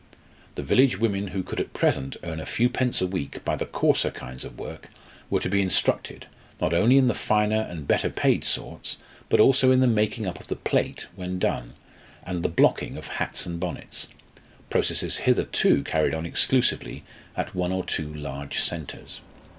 The village women who could at present earn a few pence a week by the coarser kinds of work were to be instructed, not only in the finer and better paid sorts, but also in the making up of the plait when done, and the "blocking" of hats and bonnets processes hitherto carried on exclusively at one or two large local centres.